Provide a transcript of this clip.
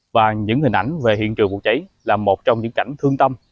và những hình ảnh về hiện trường vụ cháy là một trong những cảnh thương tâm